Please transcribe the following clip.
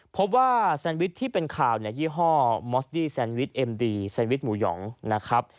พบว่าแซนวิชที่เป็นข่าวเนี่ยยี่ห้อมอสดี้แซนวิชเอ็มดีแซนวิชหมูหยองนะครับ